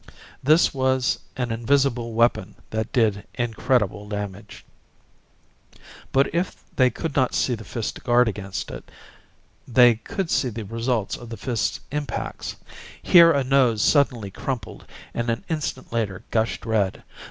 That was an invisible weapon that did incredible damage. But if they could not see the fist to guard against it, they could see the results of the fist's impacts. Here a nose suddenly crumpled and an instant later gushed red.